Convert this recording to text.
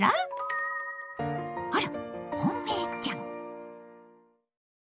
あら本命ちゃん！